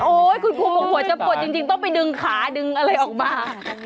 โอ๊ยคุณครูบอกว่าจรรติจริงต้องไปดึงขาดึงอะไรออกมา